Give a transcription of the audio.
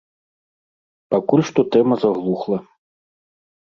Пакуль што тэма заглухла.